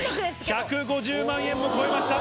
１５０万円も超えました。